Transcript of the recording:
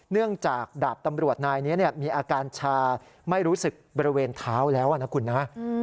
เนื่องจากดาบตำรวจนายนี้มีอาการชาไม่รู้สึกบริเวณเท้าแล้วนะคุณนะ